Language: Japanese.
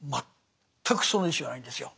全くその意思がないんですよ。